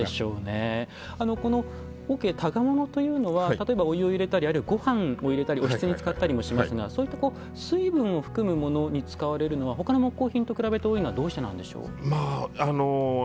この桶、箍物っていうのは例えば、お湯を入れたりごはんを入れておひつに使ったりしますが水分を含むものに使われるものがほかの木工品と比べて多いのはどうしてなんでしょう。